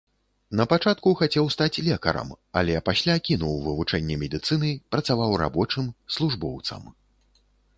Напачатку хацеў стаць лекарам, але пасля кінуў вывучэнне медыцыны, працаваў рабочым, службоўцам.